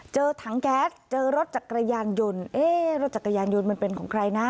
เจอถังแก๊สเจอรถจักรยานยนต์เอ๊ะรถจักรยานยนต์มันเป็นของใครนะ